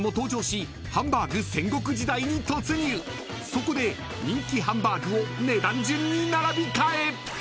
［そこで人気ハンバーグを値段順に並び替え］